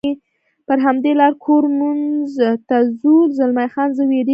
پر همدې لار کورمونز ته ځو، زلمی خان: زه وېرېږم.